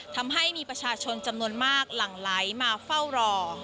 ทำให้มีประชาชนจำนวนมากหลั่งไหลมาเฝ้ารอ